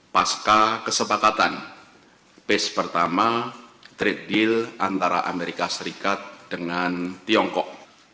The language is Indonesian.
pasca kesepakatan base pertama trade deal antara amerika serikat dengan tiongkok